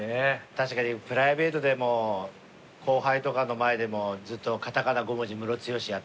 確かにプライベートでも後輩とかの前でもずっと片仮名５文字ムロツヨシやってるからな。